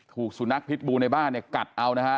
ถูกสุนัขพิษบูในบ้านเนี่ยกัดเอานะฮะ